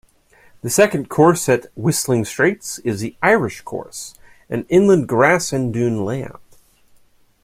The second course at Whistling Straits is the Irish Course, an inland grass-and-dune layout.